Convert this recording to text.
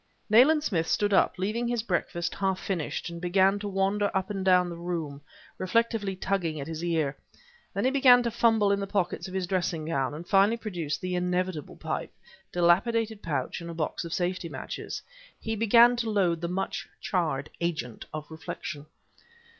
Nayland Smith stood up, leaving his breakfast half finished, and began to wander up and down the room, reflectively tugging at his ear. Then he began to fumble in the pockets of his dressing gown and finally produced the inevitable pipe, dilapidated pouch, and box of safety matches. He began to load the much charred agent of reflection.